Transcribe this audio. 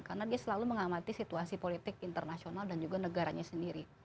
karena dia selalu mengamati situasi politik internasional dan juga negaranya sendiri